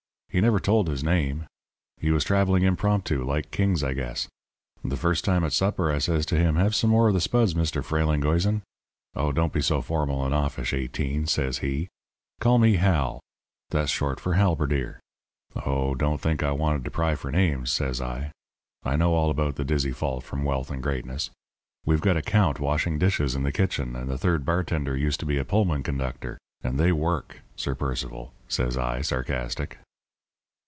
He never told his name. He was travelling impromptu, like kings, I guess. The first time at supper I says to him: 'Have some more of the spuds, Mr. Frelinghuysen.' 'Oh, don't be so formal and offish, Eighteen,' says he. 'Call me Hal that's short for halberdier.' 'Oh, don't think I wanted to pry for names,' says I. 'I know all about the dizzy fall from wealth and greatness. We've got a count washing dishes in the kitchen; and the third bartender used to be a Pullman conductor. And they work, Sir Percival,' says I, sarcastic.